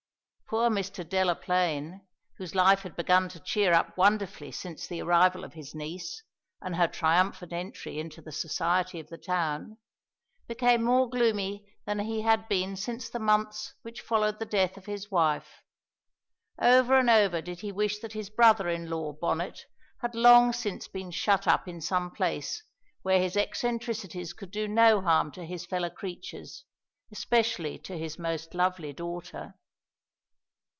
Poor Mr. Delaplaine, whose life had begun to cheer up wonderfully since the arrival of his niece and her triumphant entry into the society of the town, became more gloomy than he had been since the months which followed the death of his wife. Over and over did he wish that his brother in law Bonnet had long since been shut up in some place where his eccentricities could do no harm to his fellow creatures, especially to his most lovely daughter.